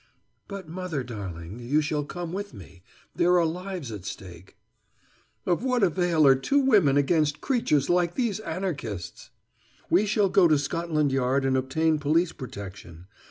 "But, mother darling, you shall come with me there are lives at stake " "Of what avail are two women against creatures like these Anarchists?" "We shall go to Scotland Yard and obtain police protection.